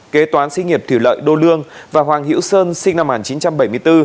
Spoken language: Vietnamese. kế toán sinh nghiệp thủy lợi đô lương và hoàng hữu sơn sinh năm một nghìn chín trăm bảy mươi bốn